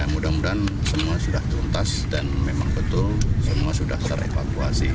mudah mudahan semua sudah tuntas dan memang betul semua sudah terevakuasi